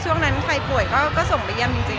ช่วงนั้นใครป่วยก็ส่งไปเยี่ยมจริง